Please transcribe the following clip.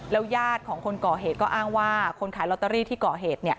ญาติของคนก่อเหตุก็อ้างว่าคนขายลอตเตอรี่ที่ก่อเหตุ